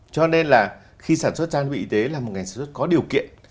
cho nên là khi sản xuất trang bị y tế là một ngành sản xuất có điều kiện